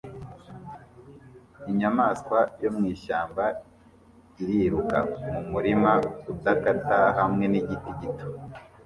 Inyamaswa yo mwishyamba iriruka mumurima udakata hamwe nigiti gito